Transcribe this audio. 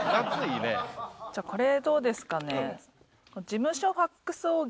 じゃあこれどうですかね？